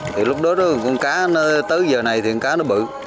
thì lúc đó con cá nó tới giờ này thì con cá nó bự